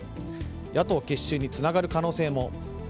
野党結集につながる可能性も。